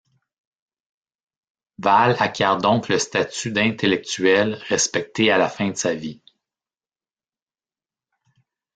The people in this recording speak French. Valle acquiert donc le statut d'intellectuel respecté à la fin de sa vie.